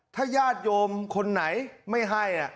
ถ้าญาติโยมคนไหนไม่ให้